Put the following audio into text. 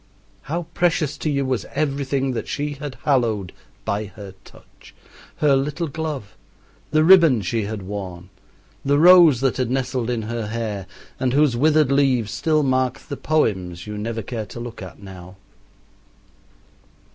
How precious to you was everything that she had hallowed by her touch her little glove, the ribbon she had worn, the rose that had nestled in her hair and whose withered leaves still mark the poems you never care to look at now.